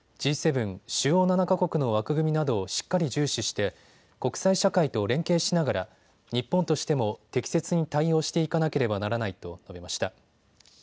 Ｇ７・主要７か国の枠組みなどをしっかり注視して国際社会と連携しながら日本としても適切に対応していかなければならないと述べました。